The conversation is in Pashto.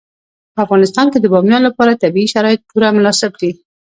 په افغانستان کې د بامیان لپاره طبیعي شرایط پوره مناسب دي.